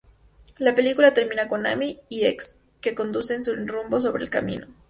La película termina con Amy y X, que conducen sin rumbo sobre el camino.